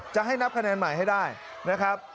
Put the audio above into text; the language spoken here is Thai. จะให้นับคะแนนใหม่ให้ได้นะครับ